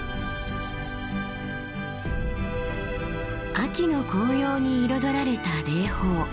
秋の紅葉に彩られた霊峰。